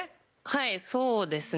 はいそうですね